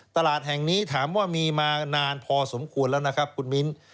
ตลาดแห่งนี้ถามว่ามีมานานพอสมควรแล้วนะครับคุณมิ้น